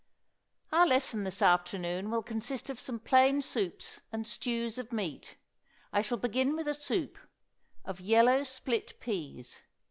Our lesson this afternoon will consist of some plain soups and stews of meat. I shall begin with a soup, of yellow split peas.